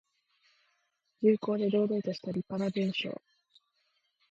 重厚で堂々としたりっぱな文章。